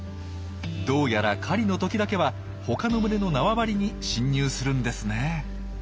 どうやら狩りの時だけは他の群れの縄張りに侵入するんですね。